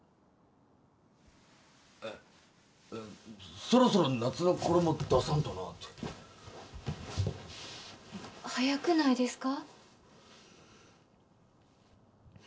えッそろそろ夏の衣出さんとなあって早くないですか？